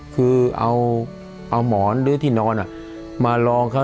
คือเอาหมอนหรือที่นอนมาลองเขา